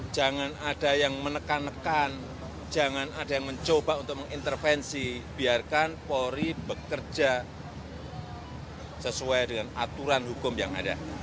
jangan ada yang menekan nekan jangan ada yang mencoba untuk mengintervensi biarkan polri bekerja sesuai dengan aturan hukum yang ada